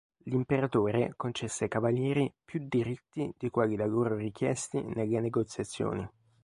L'imperatore concesse ai Cavalieri più diritti di quelli da loro richiesti nelle negoziazioni.